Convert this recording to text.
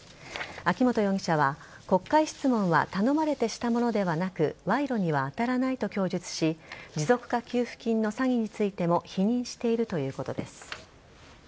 秋本容疑者は、国会質問は頼まれてしたものではなく賄賂には当たらないと供述し持続化給付金の詐欺についても否認しているということです。